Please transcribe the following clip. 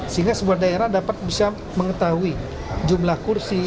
sehingga sebuah daerah dapat bisa mengetahui jumlah kursi